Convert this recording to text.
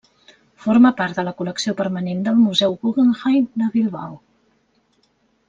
Forma part de la col·lecció permanent del museu Guggenheim de Bilbao.